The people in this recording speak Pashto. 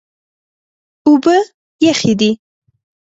اوبه یخې دي.